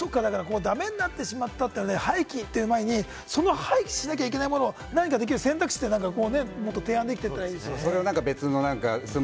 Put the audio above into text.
ダメになってしまって、廃棄という前にその廃棄しなきゃいけないものを何かできる選択肢ってもっと提案できていったらいいですよね。